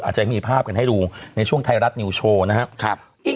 จะมีภาพกันให้ดูในช่วงไทยรัฐนิวโชว์นะครับ